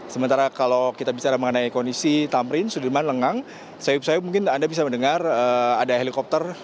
sementara kalau kita bicara mengenai kondisi tamrin sudirman lengang sayup sayup mungkin anda bisa mendengar ada helikopter